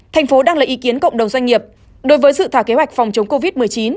thành phố đang lấy ý kiến cộng đồng doanh nghiệp đối với dự thảo kế hoạch phòng chống covid một mươi chín